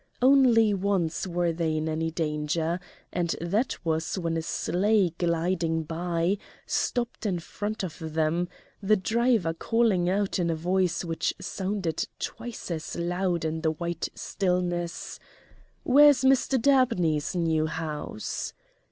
Only once were they in any danger, and that was when a sleigh gliding by stopped in front of them, the driver calling out in a voice which sounded twice as loud in the white stillness: "Where's Mr. Dabney's new house?"